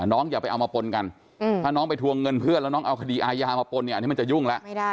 อย่าไปเอามาปนกันถ้าน้องไปทวงเงินเพื่อนแล้วน้องเอาคดีอาญามาปนเนี่ยอันนี้มันจะยุ่งแล้ว